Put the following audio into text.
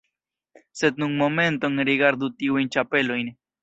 Sed nun momenton rigardu tiujn ĉapelojn!